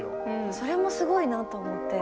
それもすごいなと思って。